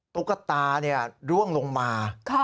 ตุ๊กตาร่วงลงมา